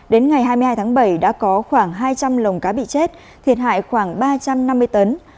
đến ngày hai mươi hai tháng bảy đã có khoảng hai trăm linh lồng cá bị chết thiệt hại khoảng ba trăm năm mươi tấn